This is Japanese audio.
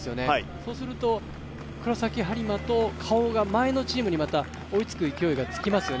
そうすると黒崎播磨とＫａｏが前のチームに追いつく勢いがつきますよね。